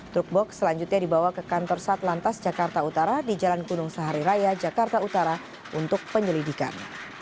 truk box selanjutnya dibawa ke kantor satlantas jakarta utara di jalan gunung sahari raya jakarta utara untuk penyelidikan